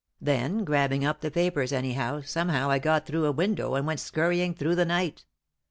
Then, grabbing up the papers anyhow, somehow I got through a window, and went scurrying through the night.